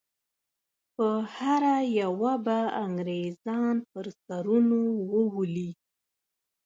په هره یوه به انګریزان پر سرونو وولي.